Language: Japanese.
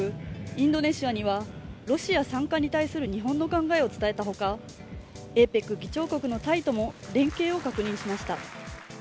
インドネシアにはロシア参加に対する日本の考えを伝えたほかＡＰＥＣ議長国のタイとも連携を確認しました。